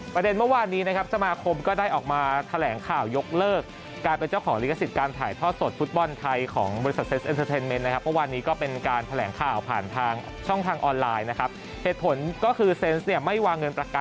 ประเด็นเมื่อวานนี้นะครับสมาครมก็ได้ออกมาแถลงข่าวยกเลิก